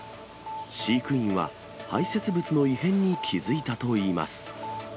飼育員は排せつ物の異変に気付いたといいます。